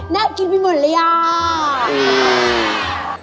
น่ากินไปหมดเลยอ่ะ